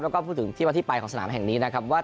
แล้วก็พูดถึงที่ว่าที่ไปของสนามแห่งนี้นะครับว่า